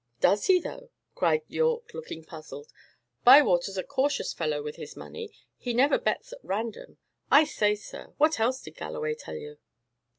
"Does he, though!" cried Yorke, looking puzzled. "Bywater's a cautious fellow with his money; he never bets at random. I say, sir, what else did Galloway tell you?"